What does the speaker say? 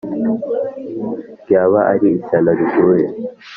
Ryaba ari ishyano riguye